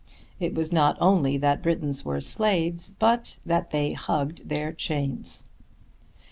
It was not only that Britons were slaves, but that they "hugged their chains."